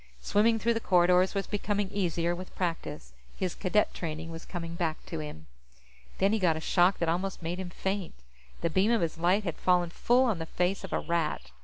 Swimming through the corridors was becoming easier with practice; his Cadet training was coming back to him. Then he got a shock that almost made him faint. The beam of his light had fallen full on the face of a Rat.